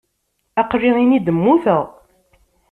Aql-i ini-d mmuteɣ.